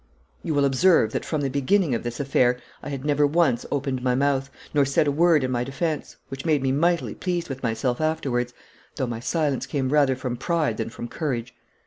You will observe that from the beginning of this affair I had never once opened my mouth, nor said a word in my defence, which made me mightily pleased with myself afterwards, though my silence came rather from pride than from courage.